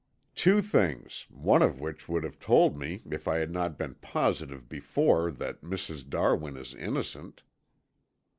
"Two things, one of which would have told me if I had not been positive before that Mrs. Darwin is innocent."